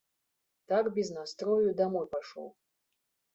Так без настрою і дамоў пайшоў.